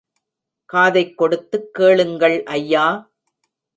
காதைக்கொடுத்துக் கேளுங்கள் ஐயா!